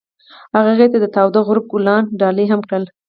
هغه هغې ته د تاوده غروب ګلان ډالۍ هم کړل.